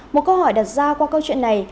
một câu hỏi đặt ra qua câu chuyện này